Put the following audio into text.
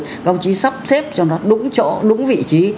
các ông chí sắp xếp cho nó đúng chỗ đúng vị trí